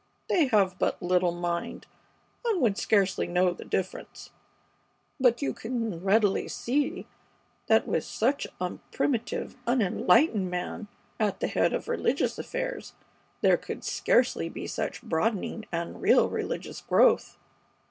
They have but little mind, and would scarcely know the difference; but you can readily see that with such a primitive, unenlightened man at the head of religious affairs, there could scarcely be much broadening and real religious growth.